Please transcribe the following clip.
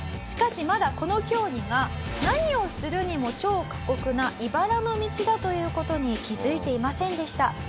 しかしまだこの競技が何をするにも超過酷な茨の道だという事に気づいていませんでした。